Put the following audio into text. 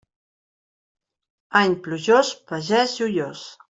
Any plujós, pagès joiós.